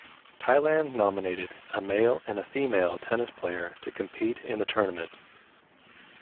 Thailand nominated a male and a female tennis player to compete in the tournament.